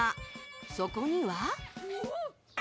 そこには。